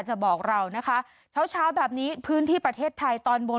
บอกเรานะคะเช้าเช้าแบบนี้พื้นที่ประเทศไทยตอนบน